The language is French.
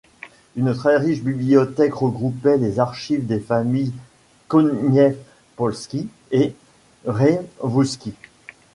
Une très riche bibliothèque regroupait les archives des familles Koniecpolski et Rzewuski.